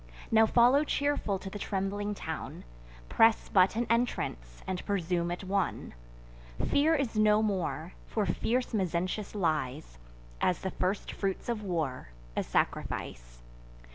Now follow cheerful to the trembling town; Press but an entrance, and presume it won. Fear is no more, for fierce Mezentius lies, As the first fruits of war, a sacrifice.